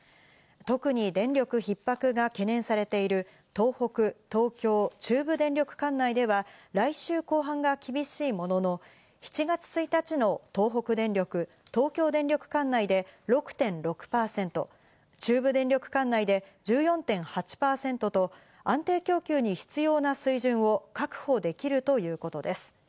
特に電力逼迫が懸念されている東北、東京、中部電力管内では、来週後半が厳しいものの、７月１日の東北電力、東京電力管内で６．６％、中部電力管内で１４．８％と安定供給に必要な水準を確保できるということです。